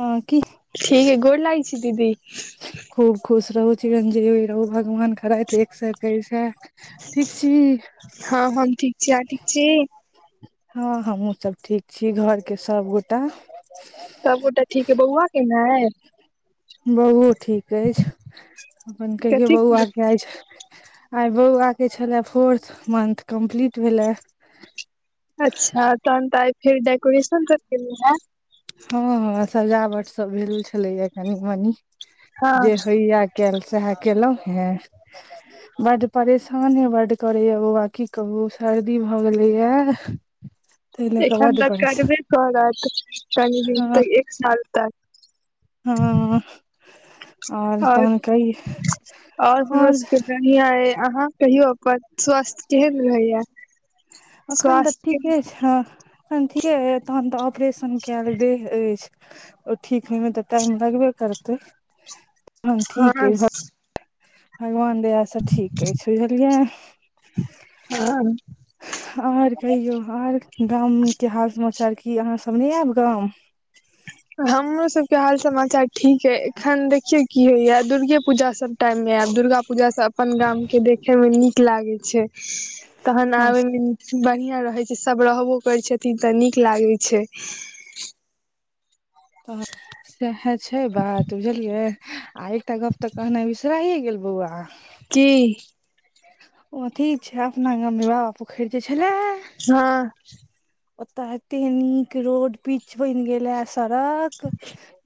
हँ की ठीक ह गोर लागै छै दीदी खूब खुश रहु चिरंजीवी रहू भगवान रखैथ एक स एकैस हेत ठीक छी हँ हम ठीक छी अहाँ ठीक छी हँ हमहुूँ सब ठीक छी घरके सब गोटा सबगोटा ठीक अई बौआ केना अई बौओ ठीक अछि अपन कहियौ कथी बौआके आइ छै आइ बौआ के छले फोर्थ मंथ कम्प्लीट भेले अच्छा तहन तइ आइ फेर डेकोरेेशन सब भेलै हेत हँ सजावट सब भेल छेलैया कनी मनी हँ जे होइया कैल सेहे केलहुँ हेँ बड्ड परेशाने बड्ड करैए बौआ की कहू सर्दी भऽ गेलैए एखन तऽ करबे करत कनि दिन हँ तऽ एक साल तक हँ और आइ तहन कहि आइ हमरा और सबके या ए अहाँ कहियौ अपन स्वस्थ केहन रहैया एखन तऽ स्वास्थ्य ठीके छै एखन ठीकेय तहन तऽ ऑपरेशन कयल देह अछि ओ ठीक होइमे तऽ टाइम लगबे करतै तखन हँ ठीक अइ भगवान दया से ठीक अछि बुझलियै हँ आर कहियो आर गाम के हाल समाचार आ की अहाँ सब नइ आयब गाम हमरो सबके हाल समाचार ठीक अय एखन देखियौ की होइया दुर्गे पूजा सब टाइम मे आयब दुर्गा पूजा सब अपन गाम के देखे में नीक लागे छै तहन हम आबे मे बढ़िआँ रहै छै सब रहबो करै छथिन तऽ नीक लागै छै आहा सएह छै बात बुझलियै आ एकटा गप तऽ कहनाइ बिसराइ गेल बौआ की ओ अथी छै अपना गाम मे बाबा पोखरि जे छले हँ ओता एते नीक रोड पीच बइन गेले सड़क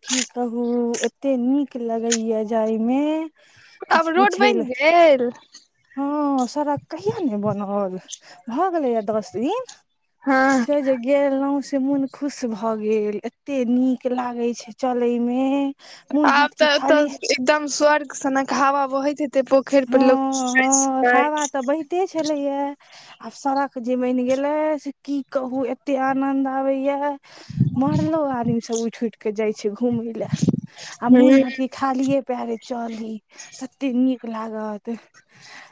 की कहु एते नीक लगैया जाय मे आब किछ रोड पुछै लै [unintelligible] हँ सड़क कहिया नइ बनल भऽ गेलै यऽ दस दिन हँ से जे गेलौ से मोन खुश भ भ गेल एते नीक लागै छै चलै मे मोन आब हयत तऽ कि खाली एतऽ एकदम स्वर्ग सनक हवा बहैत हेतै पोखरि पर लोक नहाइ सोनाइ ते छलै य आब सड़क जे बैन गेलै से की कहु एते आनंद आबै य मरलो आदमी सब उठि उठि क जाइ छै घुमै ल आ मोन हूँ हैत कि खालिए पैरे चली तते नीक लागत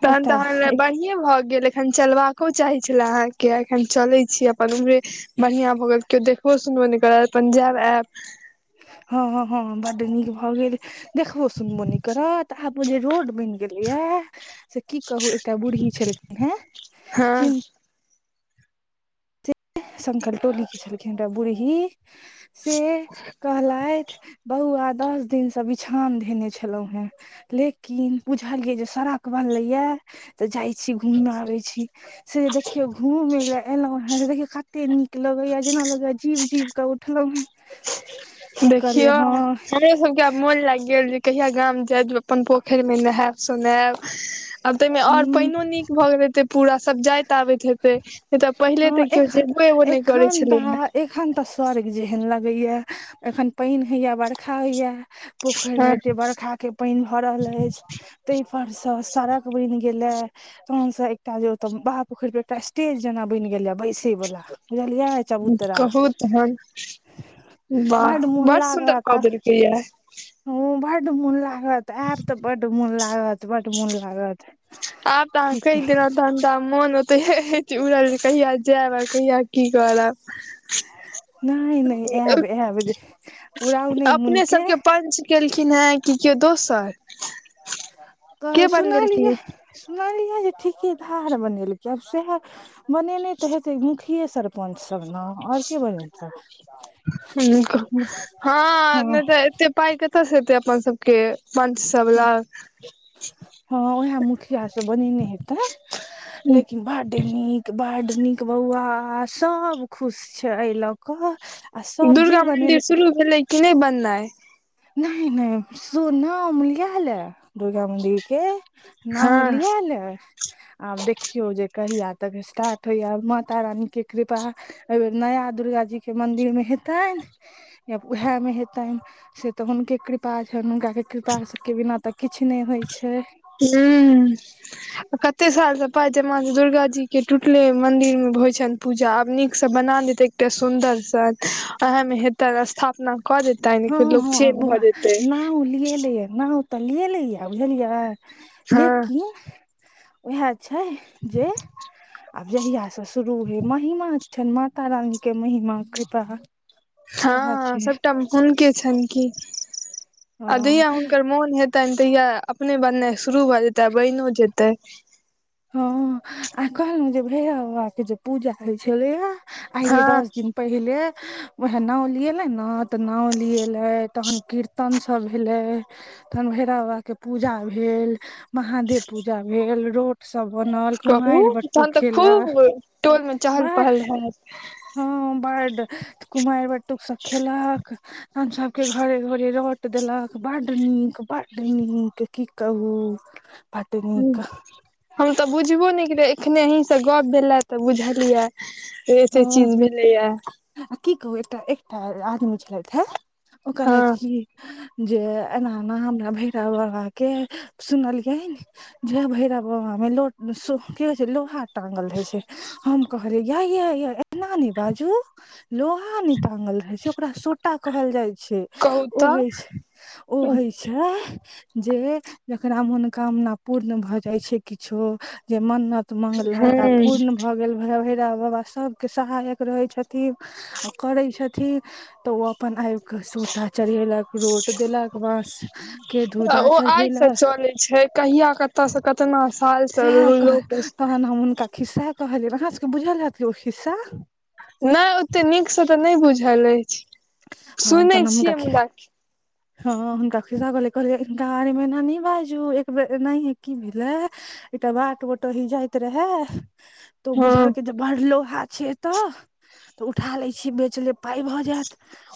तहन एकटा तहन बढ़िए भऽ गेल एखन चलबाक चाहै छला अहाँके एखन चलै छी अपन उम्हरे बढ़िआ भऽ गेल केओ देखबो सुनबो नइ करत अपन जायब आयब हँ हँ हँ बड्ड नीक भऽ गेल देखबो सुनबो नइ करत आब उ जे रोड बनि गेलै ये से की कहू एकटा बूढ़ी छलखिन हे चिन हँ शंकर टोली के छलखिन एक टा बूरही से कहलैथ बौआ दस दिन बिछौन धेने छलहुॅं हे लेकिन बुझलियै जे सड़क बनलैय ये तऽ जाइ छी घूम आबै छी से जे देखियौ घूम ले एलहु ह से देखिय कते नीक लगै यऽ जेना लगै जीव जीव कऽ उठलहु ह देखियौ [unintelligible] आब मोन लागि गेल जे कहिया गाम जाय जे अपन पोखैर मे नहायब सोनायब आब तइमे और पाइनो नीक भऽ गेल हेतै पूरा सब जाइत आबैत हेतै नइ तऽ पहिले हँ तऽ केओ एखन जेबो एबो नइ करे एखन छलै हऽ तऽ एखन तऽ स्वर्ग जेहेन लगै यऽ एखन पानि होइ यऽ बरखा होइ यऽ पोखैर मे हँ एते बरखा के पाइन भरल अछि तै पर से सड़क बनि गेलअ तहन सँ एकटा जो तब बाहर पोखरि पर एकटा स्टेज जेना बनि गेलै अब कहू तहन बड वाह बड़ सुन्दर कऽ देलकै अऽ हँ बड मोन लागत आइब तऽ बड मोन लागत बड मोन लागत आब त आहाँ की कहि कही, दैलौ तहन त आब मोन ओतइहे उड़ल जे कहिया जायब आ कहिया की करब नइ नइ ऐब ऐब अपने सबके पंच केलखिन हेँ कि केओ दोसर के सुनालिए बनबेलखिन सुनलियै जे ठीके धार बनेलकै आब सेहै बनेने तऽ हेतै मुखिये सर पंच सब न आओर के बनेतै हुनको हँ तऽ एते पाइ कतऽ सँ एतै अपन सबके पंच सभ बला हँ उहै मुखिया सब बनेने हेते लेकिन बड नीक बड नीक बौआ सब खुश छै एय लऽ कऽ आ सब दुर्गा जे मंदिर बनेलकै शुरू भेलै कि नइ बननाइ न इ नइ सो नाम लियालअ दुर्गा मंदिर के नाम हँ लिओले आब देखियौ जे कहिया तक स्टार्ट होइ यऽ माता रानी के कृपा एहि बेर नया दुर्गा जी के मन्दिर मे हेतैन या उहै मे हेतैन से तऽ हुनके कृपा छैन हुनका कृपाके बिना तऽ किछु नइ होइ छै हूँ कते साल से पाई जमा दुर्गा जी के टूटले मंदिर मे होइ छै पूजा आब नीक से बना देते एकटा सुदर से अहे में हेतय स्थापना क दे हँ हँ बौआ नाउ लियेलै ये त लिएलैयै बुझलियै हँ लेकिन उएह छै जे आब जहियास से शुरू हय महिमा छनि माता रानीके महिमा कृपा वएह हँ छै सभटा हुनके छनि की आ हँ दया हुनकर मोन हेतन तहिया अपने बननाइ शुरू भऽ जेतै आ बनि जेतै हँ आ कहलहु जे भैरब बाबा के जे पूजा होय छलेया आइये हँ दस दिन पहिले वहे नाव लियएले ने ते नाव लियले तहन कीर्त तन सब भेलै तहन भैरव बाबा के पूजा भेल महादेव पूजा भेल रो सभ बनल कहू कुमारि बटटूक तहन तऽ खूब खेलक टोल मे चहल बाह पहल हैत ह बड कुमारि बटुक सब खेलक हम सब के घरे घरे रह देलक बड्ड नीक बड्ड नीक की कहू बड नीक हम तऽ बुझबो नहि करै एखने अहीँसँ गप्प भेलै तऽ बुझलियै से हँ एते चीज भेलैया आ की कहू एकटा एकटा आदमी छलथि है ओ हँ कहलथि की जे एना एना हमरा भैरव बाबा के सुनलियै जे भैरव बाबा मे वो की कहै छै लोहा टाँगल रहै छै हम कहलिये यै यै एना ने बाजू लोहा न टाँगल रहे छै ओकरा सोटा कहल जाय छै कहू ओ होइ तऽ छै ओ होइ छै जे जेकरा मनोकामना पूर्ण भऽ जाइ छै किछो जे मन्नत मांगल घरका हूँ पूर्ण भऽ गेल भैरा भेरव बाबा सभके सहायक रहै छथिन आ करै छथिन तऽ ओ अपन आइब के सोटा चढ़ेलक रोट देलक बांस के धूजा ओ आइ चढ़ेलक से चलै छै कहिआ कतऽ से कतना साल सँ सएह कह तहन हम हुनका खिस्सा कहलियब अहाँ सबके बुझल रहत कि ओ खिस्सा नहि ओते नीक सँ तऽ नहि बुझल अछि हँ सुनै तहन हम हुनका छियै मुदा [inaudible] हँ हुनका खिसा कहलिये कहलियै हिनका आर एना न बाजू एक बेर ना की भेले एकटा बाट बटोही जाइत रहा तो हँ बुझल के जे बड़ लोहा छै एतऽ तऽ उठा लेछीय बेच ले पााय भऽ जायत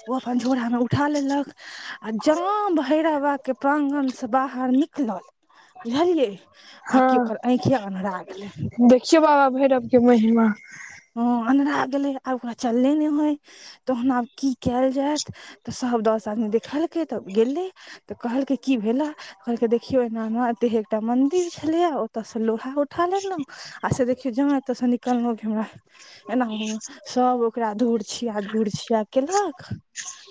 ओ अपन झोरा में उठा लेलक आ जा भैरव बाबा के प्रांगन से बाहर निकलल बुझलियै आ कि हँ ओकर आँखि अन्हरा गेलै देखियौ बाबा भैरव के महिमा हां अन्रारा गेलय आब ओकरा चलले नहि होय तहना आब की कयल जायत तऽ सभ दस आदमी देखलकै तऽ गेलै तऽ कहलकै की भेला कहलकै देखियौ एना एना एते एकटा मंदिर छलैए ओतय सँ लोहा उठा लेलहुँ असे देखियौ जाहा तऽ अस निकल हमरा एना हु सभ ओकरा धुर छिया धुर छिया केलक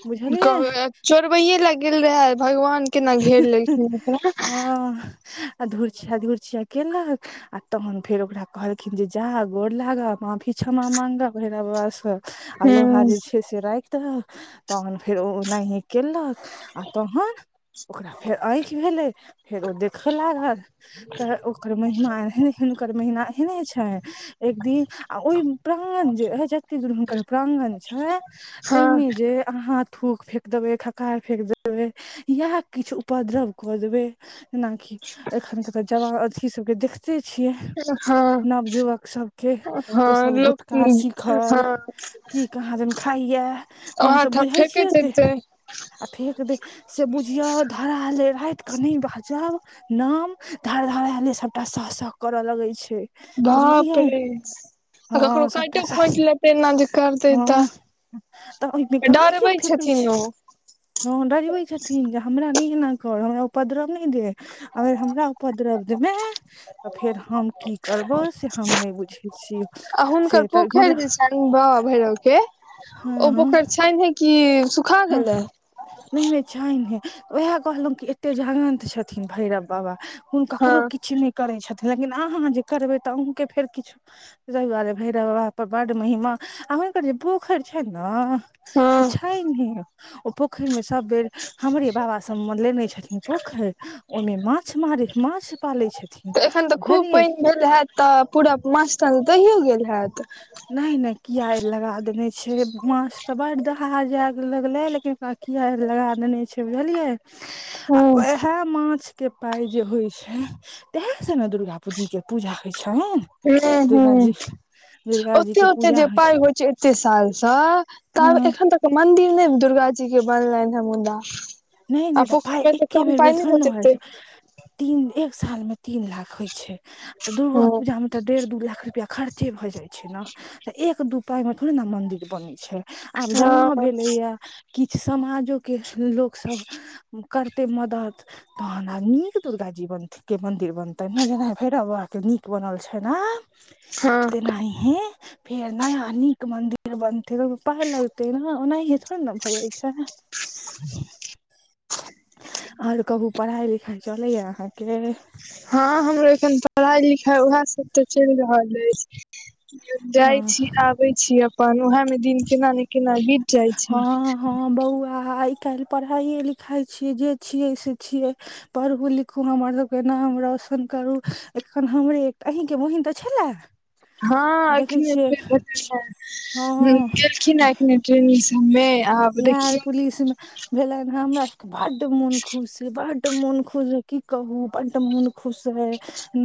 बुझलियै कहलक चोरबैए लए गेल रहै भगवान केना घेर लेलखिन अपरा हँह आ धूर छिया घूर छिया केलक आ तहन फेर ओकरा कहलखिन जे जा गोर लागा माफी क्षमा मांगअ भेरव बाबा से आ लोहा हूँ जे छै से से राखि देल तहन फेर ओ ओनाहे कलक आ तहन ओकरा फेर आँखि भेलै फेर ओ देखय लागल तऽ ओकर महिमा एहने हुनकर महिमा एहने छै एक दिन आ ओहि प्रांगण जे ह जते दूर हुनकर प्रांगन छै हँ ताहिमे जे अहाँ थूक फेेक देबै खखार फेेक देबै यएह किछु उपद्रव क देबे जेनाकि एखन के जवान अथी सब के देख से छियै हँ नवयुवक सबके ओ हँ सब गुटखा लोक शिखर हँ की कहाँ दन खाइये ओहा हमसभ ठाम बुझै छियै फेकैत एते हेतै आ फेक दे से बुझियौ धरााल अ रातिकेँ नहि बाजल नाम धर घरैले हे सबटा सह सह करऽ लगै छै बाप बुझालीए रे हँ सबटा सहश ऐना ज कर हँ तऽ ओहिमे कहाँ कियो डरबै फेेकै छथिन छै ओ हँ डरबे छथिन जे हमरा नहि एना कर हमरा उपद्रव नहि दे अगर हमरा उपद्रव देमे तऽ फेर हम की करबै से हम नहि बुझै छियै आ हुनकर से तऽ पोखरि जे मतलब बाबा भैरव के ओ हँ हँ पोखरि छेहे कि सुखा हँ गेलै नहि नहि छइनहे उएह कहलहुं कि एते जागन्त छथिन भैरव बाबा हु हँ ककरो किछु नहि करै छथिन लेकिन अहाँ जे करबै तऽ अहूँके फेर किछ तहि दुआरे भैरव बाबा पर बड महिमा आ हुनकर जे पोखरि छनि ने ओ हँ छै ने ओ पोखरिमे सब बेर हमरे बाबा सभ लेने छथिन पोखरि ओहिमे माछ मारिक माछ पालै छथिन तऽ एखन तऽ खूब बुझलियै पानि भेल होयैत तऽ पूरा माँछ ताँछ दहियो गेल होैत नहि न किया ए लगा देने छै माछ ते बड़ दहा जायत लगले लेकिन ओकरा किया लगा देने छै बुझलियै आ हँ वैह माछ के पाइ जे होइ छै तेह से ने दुर्गा पूजीक के पूजा होइ छनि नइ हँ दुर्गा जी दुर्गा जी ओते के ओते पूजा जे पाय होइ छै एतेक सालस त हँ एखन तक मंन्दिर नहि दुर्गा जी के बनलनि हे मुदा नहि आ नहि तऽ पोखरि पाय मे तऽ एके कम बेर बेर पाइ नहि थोडे ने होइत होय हेतै छै तीन एक सालमे तीन लाख होइ छै तऽ दुर्गा हँ पूजामे तऽ डेढ़ दू लाख रुपआ खर्चे भऽ जाइ छै ने तऽ एक दू पााय मे थोड़े ने मंदिर बनै छै आब जमा हँ भेलैएा किछु समाजो के लोक सब करते मदत तहन आ नीक दुर्गा जी बन के मन्दिर बनतै ने जेना भेरब बाबाके नीक बनल छै ने हँ तेनाहि हें फेर नया नीक मंन्दिर बनते त पाय लगते न ओनाे न्द भऽ जाइ छै आओर कहबू पढ़ाई लिखाई चलैया अहाँके हँ हमरो एखन पढ़ाई लिखाई उएह सब तऽ चलि रहल अछि हँ जाइ छी आबे छी अपन उएहे मे दिन केना ने केना बीत जाइ छै हँ हँ बौआ आओ आइ काल्हि पढ़ाइए लिखाइ छियै जे छियै से छियै पढ़ू लिखू हमर सबके नाम रौशन करू एखन हमरे एकटा अहींके बहिन तऽ छले हँ एखने ब हँ गेलखिन है एखने सबमे आब देखियौ भेलै हमर बड्ड मोन खुश हय बड मोन खुश है की कहू बड्ड मोन खुश है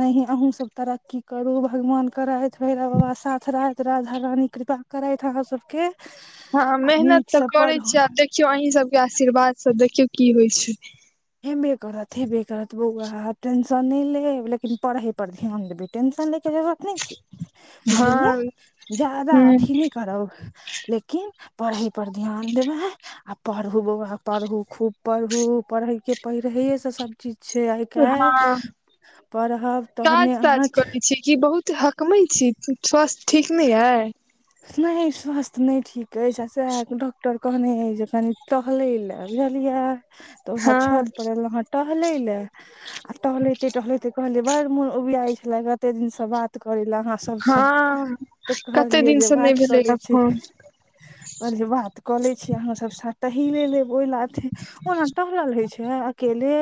नहिे अहूँ सब तरक्की करू भगवानके रहाथि भैरव बाबा साथ रहाथि राधा रानी कृपा करइ हक सबरके हँ मेहनत तऽ करै छिय। आ देखियौ अहीं सभके आशीर्वादसँ देखियौ की होइत छै। हेबे करत हेबे करत बौआ टेंशन नहि ले, लेकिन पढ़ेई पर ध्यान देबे। टेंशन ले के जरूुरत नहि छै, बुझलियै हँ जदाा ह अथी नहि करब। लेकिन पढ़ई पर ध्यान देबे है। आ पढ़ू बौआ पढ़ू खूब पढ़ू पढ़ेके पहिढ़ैए से सभ चीज। छै। आइ काल, हँ पढ़ब काज तहने ताज अहाँ करै छी कि बहुत हकमै छी, स्वास्थ्य ठीक नहि अइ? नहि स्वास्थ्य नहि ठीक अछि आ सएह डॉक्टर कहने जे कनी टहले ले, बुझलियै तऽ उएह छत हँ पर एलू ह टहले आ टहलैते टहलैते कहलियै बड़ मोन उऊबियाइत छले कते दिन से बात करे लए अह सभसँ हँ तऽ कते कहलियै दिन जे से नहि बात भेलै कऽ ह लै छै। फोन कहल बात कऽ ले छिय अहाँ सभ सटही ले लेब ओहि लाथे। ओना टहल रहइ छै अकेले।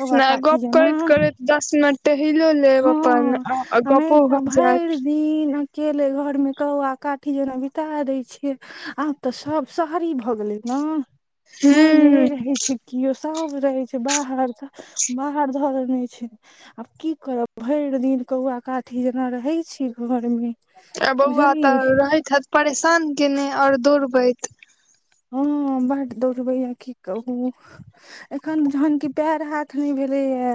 कौआ नहि काठी गप जेना करैत करैत। दस मिनट टहलो लेब हँ अपन आ नहि गपो तऽ भऽ भरि जायत दिन अकेले घर में कौआ काठी जेना बित देय छिये। आब तऽ सभ शहरी भऽ गेलै ने घर मे हूं नहि रहै छै। केओ सभ रहै छै, बाहर बाहर धर देने छै, आब की करब भरि दिन कौआ काठी जेना रहे छी घर मे आ बौआ बुझलियै तऽ रहैत हत परेशान केने आओर दौड़बैत? हँ बात दौड़बैया की कहू। एखन जहन कि पैर हाथ नहि भेलै य।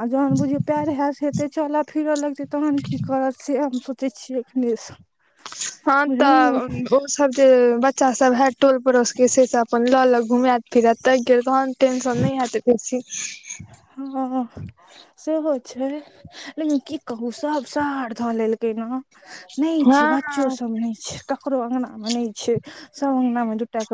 आ जहन बुझियौ पेर हयस हेते चलऽ फिरऽ लगते तहन की करत से हम त छियै एखनि हँ तऽ ओ सभ जे बच्चा सभ है टोल पड़ोस के से अपन लऽ लक घुमात फिरायत तक गेल तहन टेंशन नै हेत बेसी ह सेहो छै। लेकिन की कहू सभ शहर धऽ लेलकै ने नहि छै, हँ बच्चो सभ नहि छै, ककरो आँगन मे नहि छै, सब आँगन मे दू टा क।